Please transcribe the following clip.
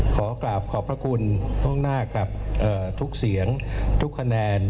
ขอกราบขอบพระคุณล่วงหน้ากับทุกเสียงทุกคะแนน